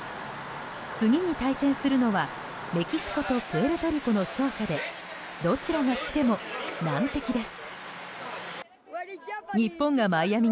次に対戦するのはメキシコとプエルトリコの勝者でどちらが来ても難敵です。